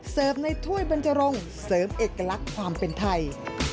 เสิร์ฟในถ้วยบรรจรงเสริมเอกลักษณ์ความเป็นไทย